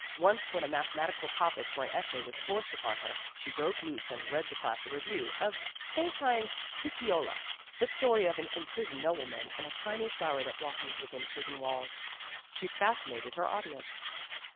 Once when a mathematical topic for an essay was forced upon her, she broke loose and read the class a review of Saintine's Picciola, the story of an imprisoned nobleman and a tiny flower that blossomed within prison walls. She fascinated her audience.